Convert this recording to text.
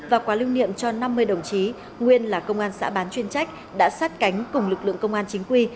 và quà lưu niệm cho năm mươi đồng chí nguyên là công an xã bán chuyên trách đã sát cánh cùng lực lượng công an chính quy